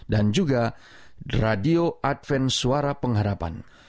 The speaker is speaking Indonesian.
dan juga radio advent suara pengharapan